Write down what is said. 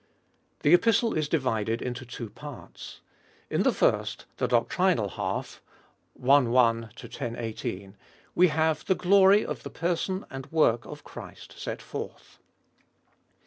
The Epistle is divided into two parts. In the first, the doc trinal half (i. i x. 1 8), we have the glory of the person and work of Christ set forth.